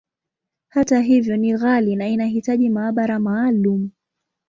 Hata hivyo, ni ghali, na inahitaji maabara maalumu.